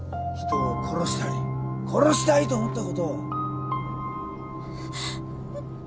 人を殺したり殺したいと思ったこと。